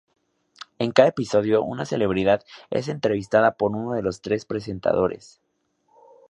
En cada episodio, una celebridad es entrevistada por uno de los tres presentadores.